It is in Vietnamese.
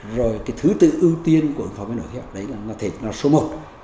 rồi cái thứ tự ưu tiên của ứng phó biến đổi khí hậu đấy là số một